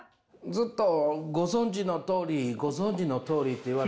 ずっと「ごぞんじのとおりごぞんじのとおり」って言われる。